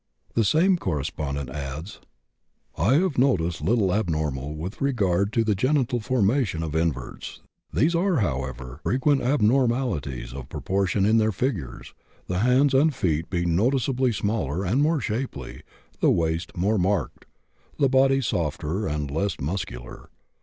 The same correspondent adds: "I have noticed little abnormal with regard to the genital formation of inverts. There are, however, frequent abnormalities of proportion in their figures, the hands and feet being noticeably smaller and more shapely, the waist more marked, the body softer and less muscular.